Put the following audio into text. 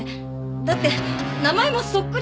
だって名前もそっくりだったし。